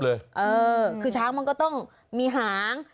เออคือช้างมันก็ต้องมีหาง